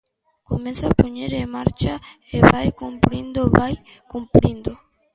Comeza a poñer en marcha e vai cumprindo, ¡vai cumprindo!